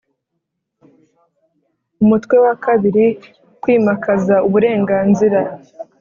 Umutwe wa kabiri Kwimakaza uburenganzira